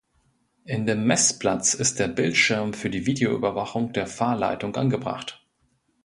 In dem Messplatz ist der Bildschirm für die Videoüberwachung der Fahrleitung angebracht.